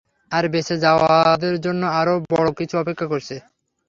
আর বেচেঁ যাওয়াদের জন্য আরো বড়ো কিছু অপেক্ষা করছে।